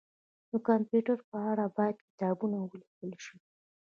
د کمپيوټر په اړه باید کتابونه ولیکل شي